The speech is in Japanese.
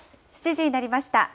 ７時になりました。